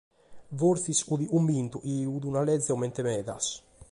Forsis fiat cumbintu chi fiat una lege comente medas.